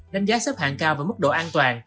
đánh giá xếp hạng cao về mức độ an toàn